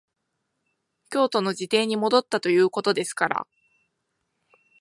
京都の自邸に戻ったということですから、